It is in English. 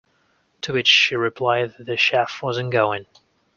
To which she replied that the chef wasn't going.